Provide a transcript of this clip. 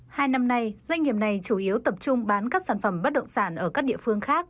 hai năm nay doanh nghiệp này chủ yếu tập trung bán các sản phẩm bất động sản ở các địa phương khác